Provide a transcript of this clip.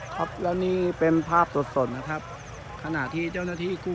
ครับแล้วนี่เป็นภาพสดสดนะครับขณะที่เจ้าหน้าที่กู้